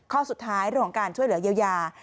ข้อสุดท้ายเรื่องของการช่วยเหลือเยียวยา